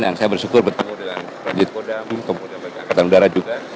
dan saya bersyukur bertemu dengan proyek kodam kodam agar angkatan udara juga